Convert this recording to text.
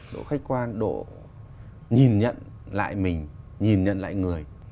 độ khách quan độ nhìn nhận lại mình nhìn nhận lại người